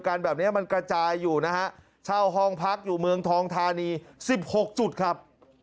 แบบนี้มันกระจายอยู่นะฮะเช่าห้องพักอยู่เมืองทองธานี๑๖จุดครับ